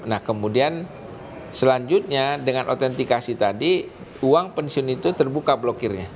nah kemudian selanjutnya dengan autentikasi tadi uang pensiun itu terbuka blokirnya